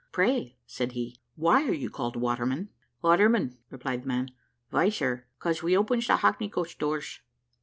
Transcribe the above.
"Pray," said he, "why are you called Waterman?" "Waterman," replied the man, "vy, sir, 'cause we opens the hackney coach doors."